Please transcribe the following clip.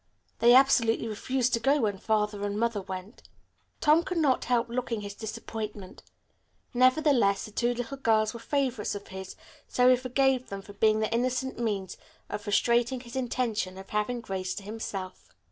They absolutely refused to go when Father and Mother went." Tom could not help looking his disappointment. Nevertheless the two little girls were favorites of his, so he forgave them for being the innocent means of frustrating his intention of having Grace to himself.